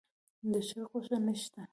د چرګ غوښه نه شته.